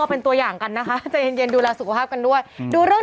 เป็นตัวอย่างกันนะคะใจเย็นดูแลสุขภาพกันด้วยดูเรื่อง